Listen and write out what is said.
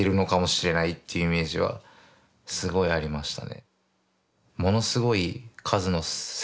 いうイメージはすごいありましたね。